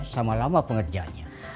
sama lama pengerjaannya